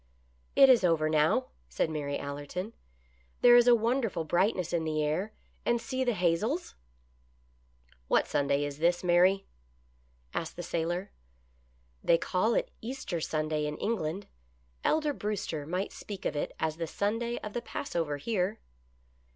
" It is over now," said Mary Allerton. " There is a wonderful brightness in the air, and see the hazels !"" What Sunday is this, Mary }" asked the sailor. " They call it Easter Sunday in England. Elder Brewster might speak of it as the Sunday of the Pass over here."